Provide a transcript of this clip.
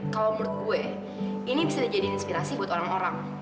kalau menurut gue ini bisa jadi inspirasi buat orang orang